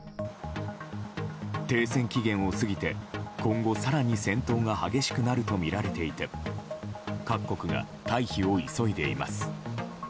停戦期限を過ぎて今後更に戦闘が激しくなるとみられていて各国が退避を急いでいます。